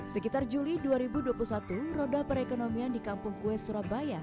sekitar juli dua ribu dua puluh satu roda perekonomian di kampung kue surabaya